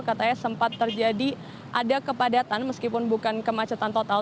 katanya sempat terjadi ada kepadatan meskipun bukan kemacetan total